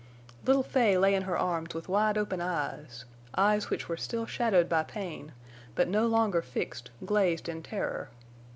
Little Fay lay in her arms with wide open eyes—eyes which were still shadowed by pain, but no longer fixed, glazed in terror.